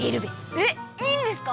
えっいいんですか？